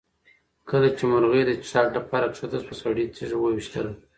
کله چې مرغۍ د څښاک لپاره کښته شوه سړي تیږه وویشتله.